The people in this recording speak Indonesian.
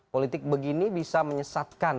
politik begini bisa menyesatkan